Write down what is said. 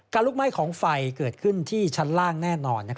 ลุกไหม้ของไฟเกิดขึ้นที่ชั้นล่างแน่นอน